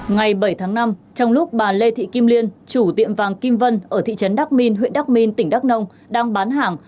ngày bảy tháng năm trong lúc bà lê thị kim liên chủ tiệm vàng kim vân ở thị trấn đắc minh huyện đắc minh tỉnh đắk nông đang bán hàng